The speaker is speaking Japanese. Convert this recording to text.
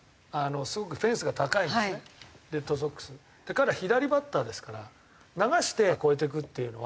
彼は左バッターですから流して越えていくっていうのは。